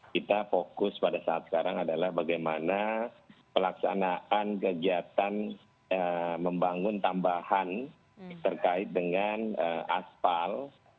kita fokus pada saat sekarang adalah bagaimana pelaksanaan kegiatan membangun tambahan terkait dengan aspal